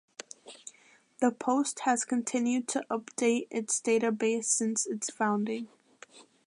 The Post has continued to update its database since its founding.